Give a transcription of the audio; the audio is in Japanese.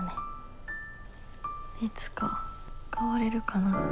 いつか変われるかな。